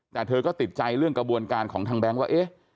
แต่เธอก็ติดใจเรื่องกระบวนการของทางแบงค์ว่าเอ๊ะ